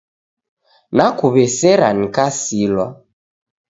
Nakuw'esera nikasilwa.